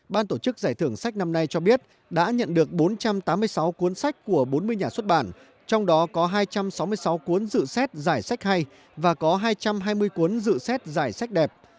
ban tổ chức giải thưởng sách năm nay cho biết đã nhận được bốn trăm tám mươi sáu cuốn sách của bốn mươi nhà xuất bản trong đó có hai trăm sáu mươi sáu cuốn dự xét giải sách hay và có hai trăm hai mươi cuốn dự xét giải sách đẹp